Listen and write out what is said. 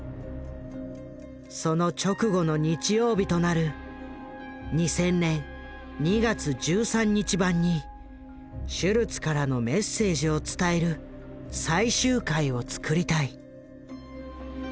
その直後の日曜日となる２０００年２月１３日版にシュルツからのメッセージを伝える最終回を作りたい。